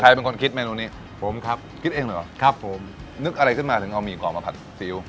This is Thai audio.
เป็นคนคิดเมนูนี้ผมครับคิดเองเลยเหรอครับผมนึกอะไรขึ้นมาถึงเอาหมี่กรอบมาผัดซิล